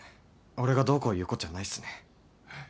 俺がどうこう言うこっちゃないっすね。